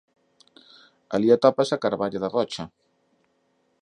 Alí atópase a carballa da Rocha.